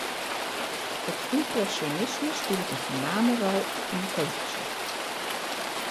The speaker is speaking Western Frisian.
It ympresjonisme spilet in foarname rol yn 'e kolleksje.